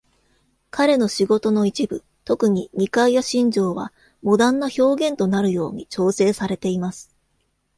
彼の仕事の一部、特にニカイア信条は、「モダン」な表現となるように調整されています。